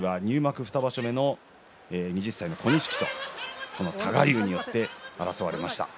２場所目の２０歳の小錦と多賀竜によって争われました。